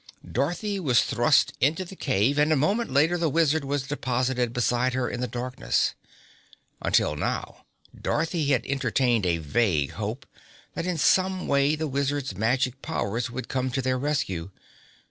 Dorothy was thrust into the cave, and a moment later the Wizard was deposited beside her in the darkness. Until now Dorothy had entertained a vague hope that in some way the Wizard's magic powers would come to their rescue.